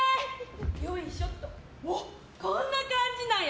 よいしょっとこんな感じなんや！